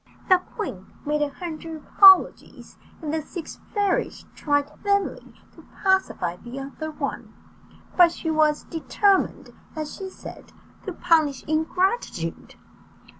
The queen made a hundred apologies, and the six fairies tried vainly to pacify the other one; but she was determined, as she said, to punish ingratitude.